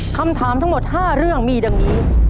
คำถามทั้งหมด๕เรื่องมีดังนี้